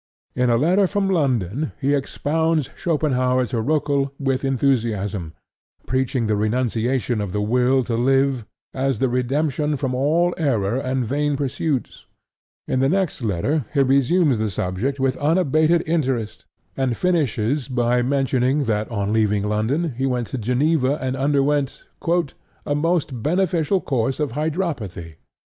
In a letter from London he expounds Schopenhaur to Roeckel with enthusiasm, preaching the renunciation of the Will to Live as the redemption from all error and vain pursuits: in the next letter he resumes the subject with unabated interest, and finishes by mentioning that on leaving London he went to Geneva and underwent "a most beneficial course of hydropathy."